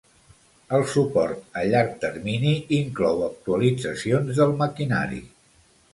El suport a llarg termini inclou actualitzacions del maquinari